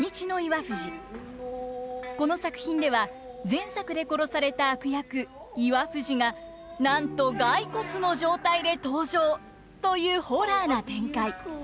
この作品では前作で殺された悪役岩藤がなんと骸骨の状態で登場というホラーな展開。